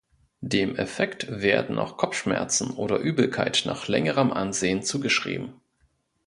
Dem Effekt werden auch Kopfschmerzen oder Übelkeit nach längerem Ansehen zugeschrieben.